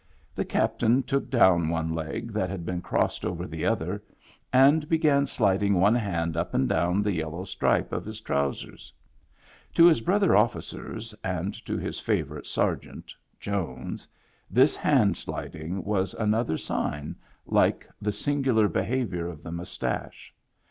The captain took down one leg that had been crossed over the other, and began sliding one hand up and down the yellow stripe of his trousers. To his brother officers and to his favor ite sergeant, Jones, this hand sliding was another sign, like the singular Lenavior of the mustache.